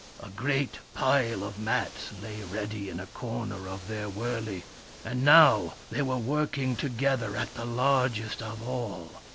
A great pile of mats lay ready in a corner of their wurley, and now they were working together at the largest of all.